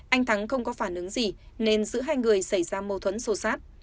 anh thắng không có phản ứng gì nên giữa hai người xảy ra mâu thuẫn sô sát